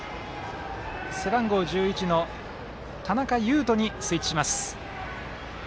背番号１１の、田中優飛にスイッチします。